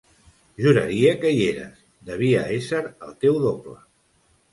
Juraria que hi eres: devia ésser el teu doble!